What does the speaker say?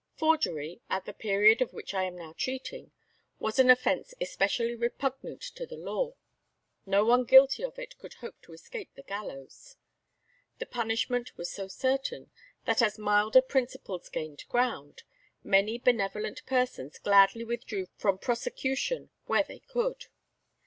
Forgery, at the period of which I am now treating, was an offence especially repugnant to the law. No one guilty of it could hope to escape the gallows. The punishment was so certain, that as milder principles gained ground, many benevolent persons gladly withdrew from prosecution where they could.